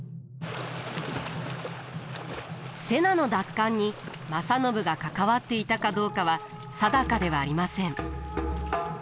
瀬名の奪還に正信が関わっていたかどうかは定かではありません。